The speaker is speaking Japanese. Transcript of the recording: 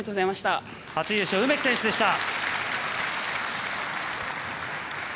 初優勝、梅木選手でした。